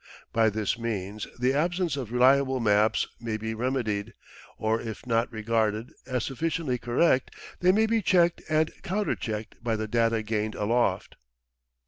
By this means the absence of reliable maps may be remedied, or if not regarded, as sufficiently correct they may be checked and counter checked by the data gained aloft.